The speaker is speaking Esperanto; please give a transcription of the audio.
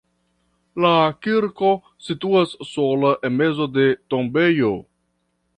La kirko situas sola en mezo de tombejo.